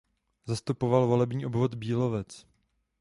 Zastupoval volební obvod Bílovec.